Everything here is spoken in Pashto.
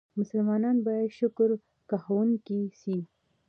مسلمانان بايد شکرکښونکي سي.